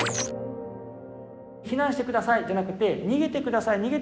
「避難してください」じゃなくて「にげてください。